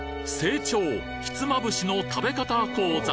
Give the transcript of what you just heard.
正調ひつまぶしの食べ方講座。